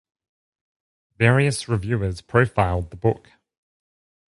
Various reviewers profiled the book.